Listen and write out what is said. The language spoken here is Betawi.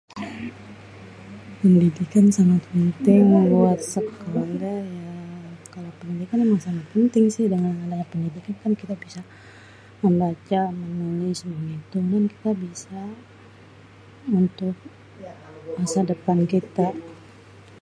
Pendidikan sangat penting buat sekolah.. ya kalo pendidikan memang sangat penting sih.. dengan pendidikan kita bisa membaca menulis menghitung.. dan kita bisa untuk masa dépan kita..